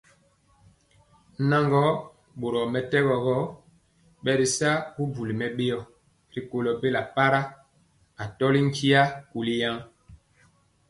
Naŋgɔɔ, boromɛtɛgɔ gɔ, bɛritya bubuli mɛbéo rikɔlɔ bela para, atɔli ntia kuli.